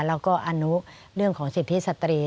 แล้วก็อนุเรื่องของสิทธิสตรี